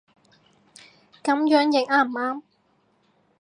噉樣譯啱唔啱